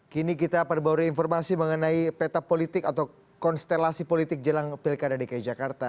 kini kita perbarui informasi mengenai peta politik atau konstelasi politik jelang pilkada dki jakarta